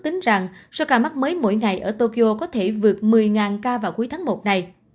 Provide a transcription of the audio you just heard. tính rằng số ca mắc mới mỗi ngày ở tokyo có thể vượt một mươi ca vào cuối tháng một này